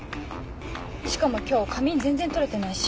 しかも今日仮眠全然取れてないし。